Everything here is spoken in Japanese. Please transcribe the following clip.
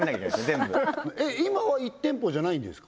全部今は１店舗じゃないんですか？